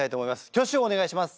挙手をお願いします。